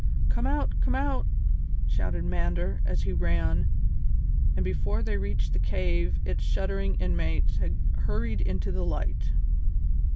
"Come out! Come out!" shouted Mander, as he ran, and before they reached the cave its shuddering inmates had hurried into the light.